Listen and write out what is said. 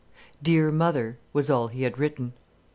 "Dear mother"—was all he had written.